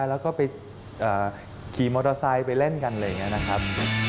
แล้วก็ไปขี่มอเตอร์ไซค์ไปเล่นกันอะไรอย่างนี้นะครับ